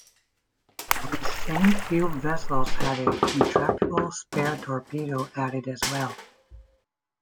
These same few vessels had a retractable spar torpedo added as well.